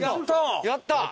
やったー！